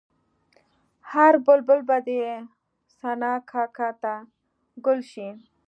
هر بلبل به دې ثنا کا که ته ګل شې.